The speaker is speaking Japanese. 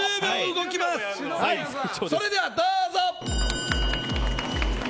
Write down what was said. それでは、どうぞ！